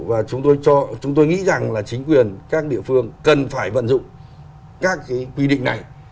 và chúng tôi chúng tôi nghĩ rằng là chính quyền các địa phương cần phải vận dụng các cái quy định này